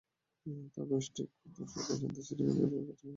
তার বয়স ঠিক কত, সেটা জানতে চিড়িয়াখানা কর্তৃপক্ষের বহু বছর লেগেছে।